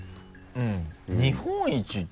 うん。